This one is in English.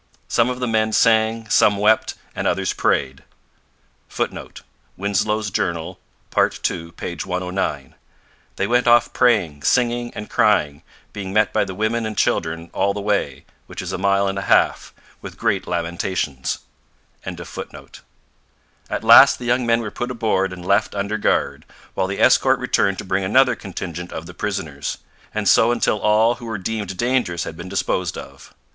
Some of the men sang, some wept, and others prayed. [Footnote: Winslow's Journal, part ii, p. 109. 'They went off praying, singing, and crying, being met by the women and children all the way (which is a mile and a half), with great lamentations.'] At last the young men were put aboard and left under guard, while the escort returned to bring another contingent of the prisoners; and so until all who were deemed dangerous had been disposed of.